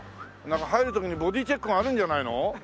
中入る時にボディーチェックがあるんじゃないの？